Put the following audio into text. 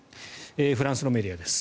フランスのメディアです。